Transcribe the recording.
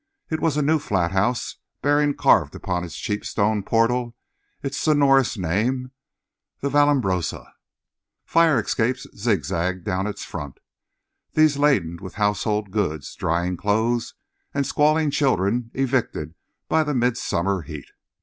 It was a new flathouse, bearing carved upon its cheap stone portal its sonorous name, "The Vallambrosa." Fire escapes zigzagged down its front—these laden with household goods, drying clothes, and squalling children evicted by the midsummer heat.